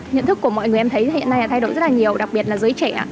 nhận thức của mọi người em thấy hiện nay là thay đổi rất là nhiều đặc biệt là giới trẻ